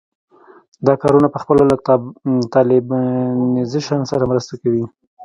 دا کارونه پخپله له طالبانیزېشن سره مرسته کوي.